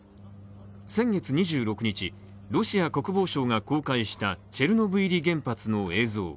先月２６日、ロシア国防省が公開したチェルノブイリ原発の映像。